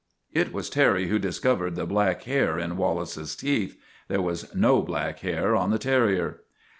It was Terry who discovered the black hair in Wallace's teeth. There was no black hair on the terrier.